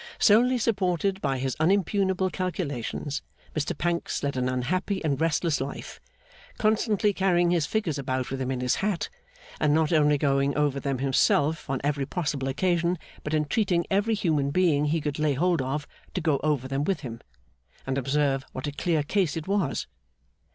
Solely supported by his unimpugnable calculations, Mr Pancks led an unhappy and restless life; constantly carrying his figures about with him in his hat, and not only going over them himself on every possible occasion, but entreating every human being he could lay hold of to go over them with him, and observe what a clear case it was.